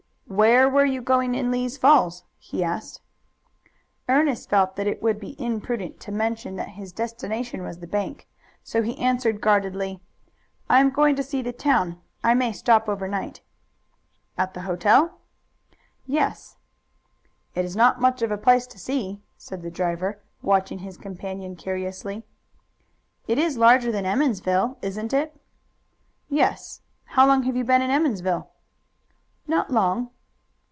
"Where were you going in Lee's Falls?" he asked. Ernest felt that it would be imprudent to mention that his destination was the bank, so he answered guardedly, "I am going to see the town. I may stop overnight." "At the hotel?" "Yes." "It is not much of a place to see," said the driver, watching his companion curiously. "It is larger than Emmonsville, isn't it?" "Yes. How long have you been in Emmonsville?" "Not long."